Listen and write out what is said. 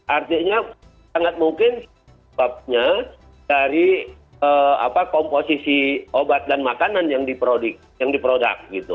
artinya sangat mungkin sebabnya dari hmm apa komposisi obat dan makanan yang diproduk yang diproduk gitu